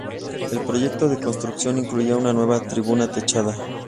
El proyecto de construcción incluía una nueva tribuna techada.